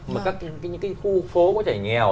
mà các khu phố có trẻ nghèo